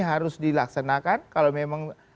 harus dilaksanakan kalau memang